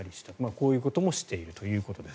こういうこともしているということです。